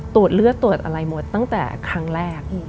ตรวจเลือดตรวจอะไรหมดตั้งแต่ครั้งแรก